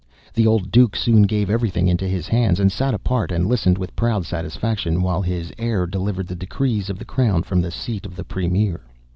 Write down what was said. The old Duke soon gave everything into his hands, and sat apart and listened with proud satisfaction while his heir delivered the decrees of the crown from the seat of the premier.